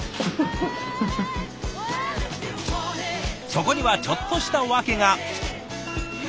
そこにはちょっとした訳が。